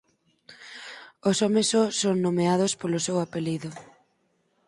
Os homes só son nomeados polo seu apelido.